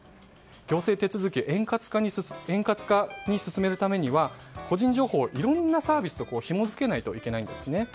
行政手続きを円滑に進めるためには個人情報をいろんなサービスとひも付けないといけないんですね。